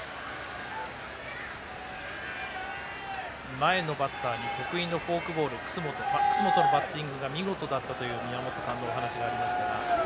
前のバッターに得意のフォークボール楠本のバッティングが見事だったと宮本さんのお話がありました。